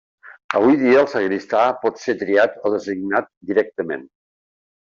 Avui dia el sagristà pot ser triat o designat directament.